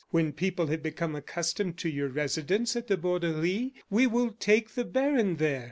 When people have become accustomed to your residence at the Borderie, we will take the baron there.